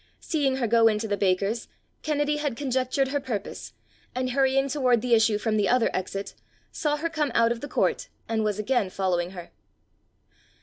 Seeing her go into the baker's, Kennedy had conjectured her purpose, and hurrying toward the issue from the other exit, saw her come out of the court, and was again following her.